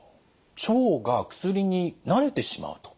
腸が薬に慣れてしまうと。